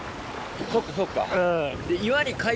そっかそっか。